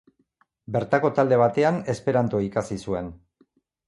Bertako talde batean Esperanto ikasi zuen.